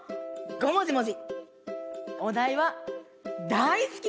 「ごもじもじ」